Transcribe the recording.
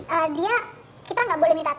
ent itu singkatan dari entertainment